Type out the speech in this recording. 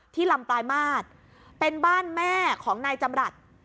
ลำปลายมาตรเป็นบ้านแม่ของนายจำรัฐ